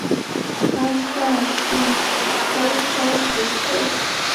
趴倒在地高烧不退